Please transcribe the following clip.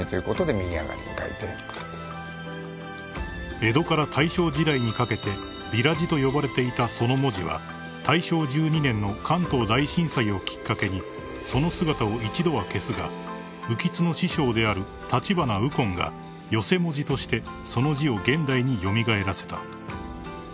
［江戸から大正時代にかけてビラ字と呼ばれていたその文字は大正１２年の関東大震災をきっかけにその姿を一度は消すが右橘の師匠である橘右近が寄席文字としてその字を現代に蘇らせた］